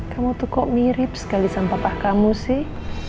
kamu tuh kok mirip sekali sama papa kamu sih